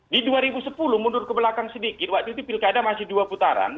di dua ribu sepuluh mundur ke belakang sedikit waktu itu pilkada masih dua putaran